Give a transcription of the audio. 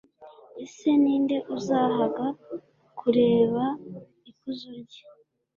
ese ni nde uzahaga kureba ikuzo rye